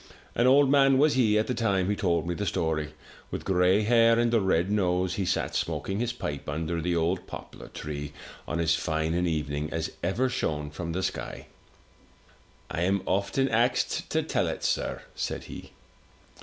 An old man was he at the time he told me the story, with gray hair and a red nose; he sat smoking his pipe under the old poplar tree, on as fine an evening as ever shone from the sky. "I am often axed to tell it, sir,*' said he.